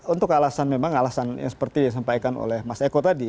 untuk alasan memang alasan yang seperti disampaikan oleh mas eko tadi